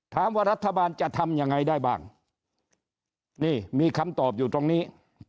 รัฐบาลจะทำยังไงได้บ้างนี่มีคำตอบอยู่ตรงนี้